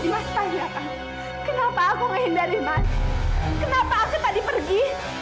mas pahyakan kenapa aku menghindari mas kenapa aku tak dipergi